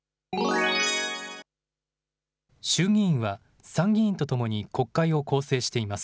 衆議院は参議院とともに国会を構成しています。